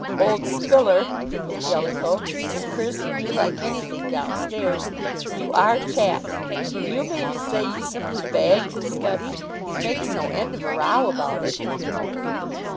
"Old Spiller," giggled Jellicoe, "is cursing you like anything downstairs. You are chaps! Do you mean to say you simply bagged his study? He's making no end of a row about it."